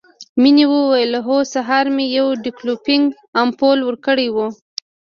مينې وويل هو سهار مې يو ډيکلوفينک امپول ورکړى و.